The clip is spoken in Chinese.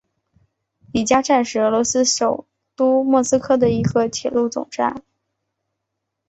里加站是俄罗斯首都莫斯科的一个铁路总站。